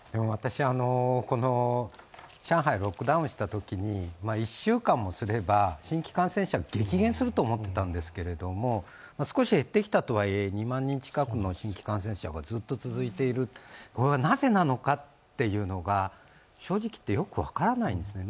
この上海がロックダウンしたときに１週間もすれば新規感染者が激減すると思っていたんですけれども、少し減ってきたとはいえ、２万人近くの新規感染者がずっと続いている、これはなぜなのかっていうのが正直言ってよく分からないんですね。